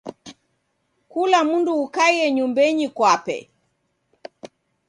Kula mndu ukaie nyumbenyi kwape.